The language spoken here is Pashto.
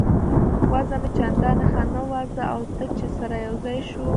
وضع مې چندانې ښه نه وه، زه او ته چې سره یو ځای شوو.